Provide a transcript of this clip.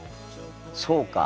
そうか。